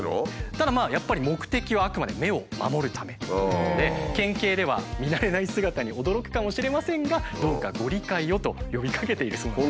ただまあやっぱり目的はあくまで目を守るためということで県警では見慣れない姿に驚くかもしれませんがどうかご理解をと呼びかけているそうなんです。